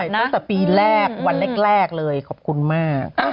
ตั้งแต่ปีแรกวันแรกเลยขอบคุณมาก